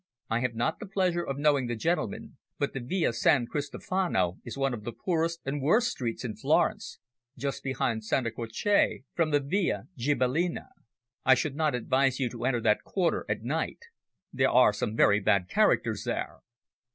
I have not the pleasure of knowing the gentleman, but the Via San Cristofano is one of the poorest and worst streets in Florence, just behind Santa Croce from the Via Ghibellina. I should not advise you to enter that quarter at night. There are some very bad characters there."